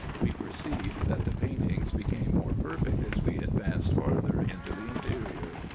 We perceived, that the paintings became more perfect as we advanced farther into the interior.